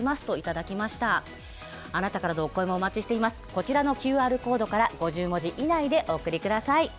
こちらＱＲコードから５０文字以内でお送りください。